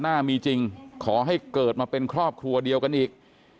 หน้ามีจริงขอให้เกิดมาเป็นครอบครัวเดียวกันอีก